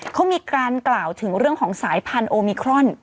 เขามีการกล่าวถึงเรื่องของสายพันธุมิครอน